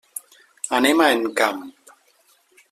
Anem a Encamp.